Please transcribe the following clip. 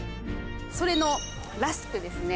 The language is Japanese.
それのラスクですね